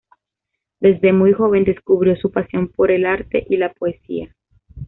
Desde muy joven, descubrió su pasión por el arte y la poesía.